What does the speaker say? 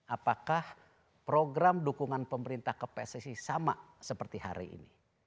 apakah program dukungan pemerintah ke pssi sama seperti hari ini